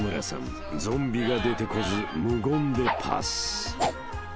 ［ゾンビが出てこず無言でパス］